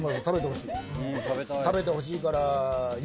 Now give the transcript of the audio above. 食べてほしいから。